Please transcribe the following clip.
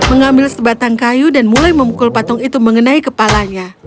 mengambil sebatang kayu dan mulai memukul patung itu mengenai kepalanya